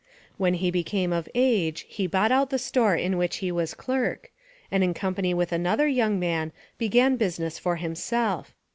When he became of age he bought out the store in which he was clerk, and in company with another young man began business for himself.